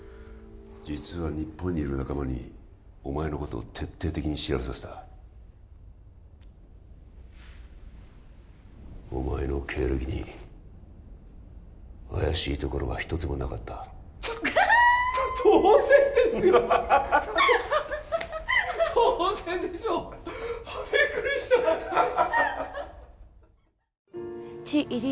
実は日本にいる仲間にお前のことを徹底的に調べさせたお前の経歴に怪しいところが一つもなかったあはは！と当然ですよ！ハハハ当然でしょうビックリしたハハハ